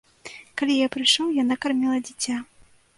Калі я прыйшоў, яна карміла дзіця.